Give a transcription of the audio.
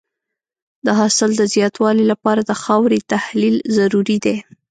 د حاصل د زیاتوالي لپاره د خاورې تحلیل ضروري دی.